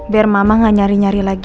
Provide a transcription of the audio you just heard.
biar mama gak nyari nyari lagi